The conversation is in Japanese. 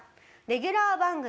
レギュラー番組